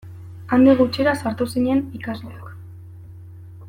Handik gutxira sartu zinen ikasleak.